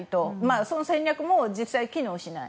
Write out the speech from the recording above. その戦略も実際には機能しない。